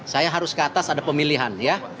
saya harus ke atas ada pemilihan ya